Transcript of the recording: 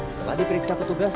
setelah diperiksa petugas